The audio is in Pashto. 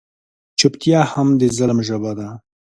چوپتیا هم د ظلم ژبه ده.